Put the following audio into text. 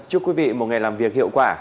chúc quý vị một ngày làm việc hiệu quả